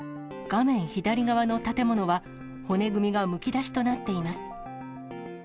画面左側の建物は、骨組みがむき出しとなっています。